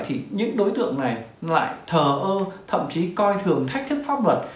thì những đối tượng này lại thờ ơ thậm chí coi thường thách thức pháp luật